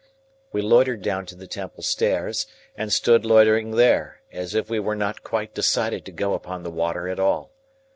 We loitered down to the Temple stairs, and stood loitering there, as if we were not quite decided to go upon the water at all.